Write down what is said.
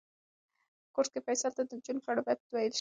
په کورس کې فیصل ته د نجونو په اړه بد څه ویل شوي وو.